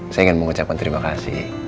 saya ingin mengucapkan terima kasih